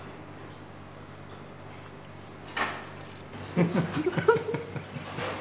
フフフフ。